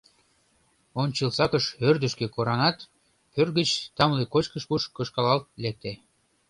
Ончылсакыш ӧрдыжкӧ кораҥат, пӧрт гыч тамле кочкыш пуш кышкалалт лекте.